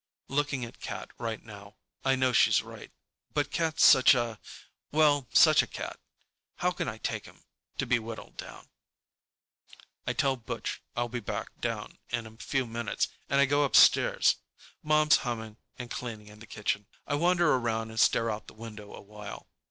Looking at Cat, right now, I know she's right. But Cat's such a—well, such a cat. How can I take him to be whittled down? I tell Butch I'll be back down in a few minutes, and I go upstairs. Mom's humming and cleaning in the kitchen. I wander around and stare out the window awhile.